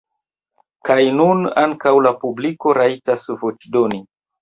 Kaj nun ankaŭ la publiko rajtos voĉdoni.